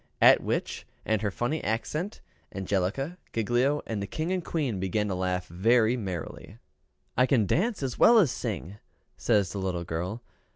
At which, and her funny accent Angelica, Giglio and the King and Queen began to laugh very merrily. "I can dance as well as sing," says the little girl.